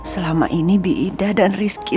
selama ini bi ida dan rizky